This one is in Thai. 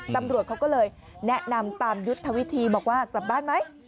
ตำรวจเขาก็เลยแนะนำตามยุทธวิธีบอกว่ากลับบ้านไหม